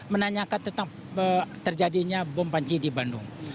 menanyakan tentang terjadinya bom panci di bandung